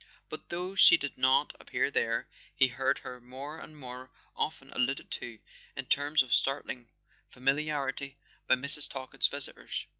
But though she did not appear there, he heard her more and more often alluded to, in terms of startling famili¬ arity, by Airs. Talkett's visitors.